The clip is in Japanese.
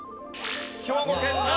兵庫県だ。